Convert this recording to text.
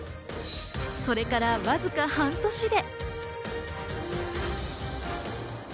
それからわずか半年で。